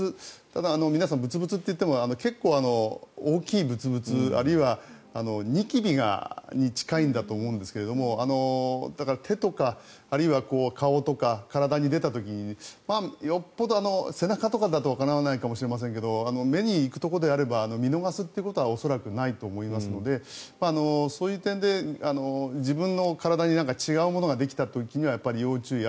ただ、皆さんぶつぶつといっても結構大きいぶつぶつあるいはニキビに近いんだと思うんですけどだから、手とかあるいは顔とか体に出た時にまあ、よっぽど背中とかだとわからないかもしれませんが目に行くところであれば見逃すということは恐らくないと思いますのでそういう点で自分の体に違うものができた時には要注意。